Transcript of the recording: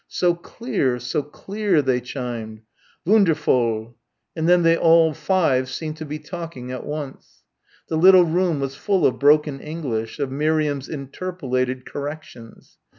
"So cleare, so cleare," they chimed, "Voonderfoll." And then they all five seemed to be talking at once. The little room was full of broken English, of Miriam's interpolated corrections.